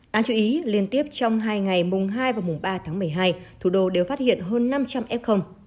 đáng chú ý liên tiếp trong hai ngày mùng hai và mùng ba tháng một mươi hai thủ đô đều phát hiện hơn năm trăm linh f